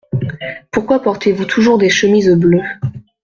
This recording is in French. Pourquoi portez-vous toujours des chemises bleues ?